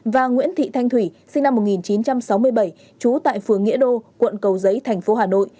và nguyễn thị thanh thủy sinh năm một nghìn chín trăm sáu mươi bảy trú tại phường nghĩa đô quận cầu giấy thành phố hà nội